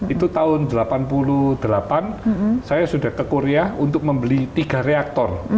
itu tahun seribu sembilan ratus delapan puluh delapan saya sudah ke korea untuk membeli tiga reaktor